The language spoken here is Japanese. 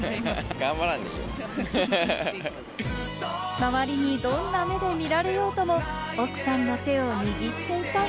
周りにどんな目で見られようとも、奥様の手を握っていたい。